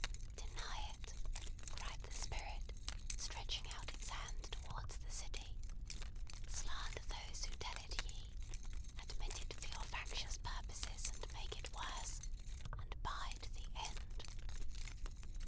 Deny it!" cried the Spirit, stretching out its hand towards the city. "Slander those who tell it ye! Admit it for your factious purposes, and make it worse. And bide the end!"